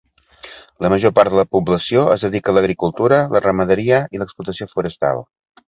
La major part de la població es dedica a l'agricultura, la ramaderia i l’explotació forestal.